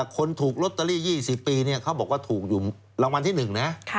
คนถูกลอตเตอรี่๒๐ปีเขาบอกว่าถูกอยู่รางวัลที่๑นะ